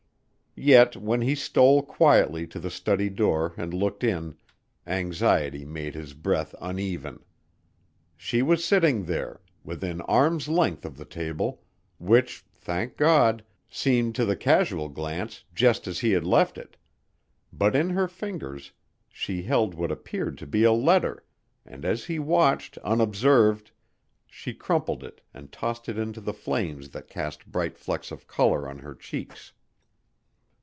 Yet when he stole quietly to the study door and looked in, anxiety made his breath uneven. She was sitting there, within arm's length of the table which, thank God, seemed to the casual glance, just as he had left it, but in her fingers she held what appeared to be a letter, and as he watched, unobserved, she crumpled it and tossed it into the flames that cast bright flecks of color on her cheeks.